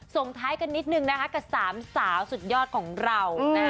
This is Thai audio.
ส่งท้ายกันนิดนึงนะคะกับ๓สาวสุดยอดของเรา